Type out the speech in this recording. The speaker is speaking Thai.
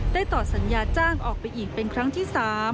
ต่อสัญญาจ้างออกไปอีกเป็นครั้งที่๓